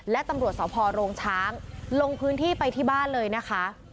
และตำรวจสพโรงช้างลงพื้นที่ไปที่บ้านเลยนะคะ